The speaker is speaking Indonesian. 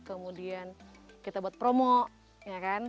kemudian kita buat promo ya kan